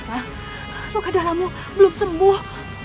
kan ruka dalammu belum sembuh